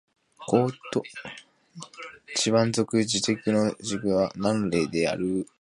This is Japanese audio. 広西チワン族自治区の自治区首府は南寧である